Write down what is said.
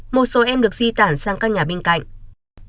một số em được di tản sang các nhà bên cạnh